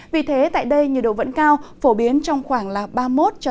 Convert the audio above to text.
vì thế tại đây nhiệt độ vẫn cao phổ biến trong khoảng ba mươi một ba mươi ba độ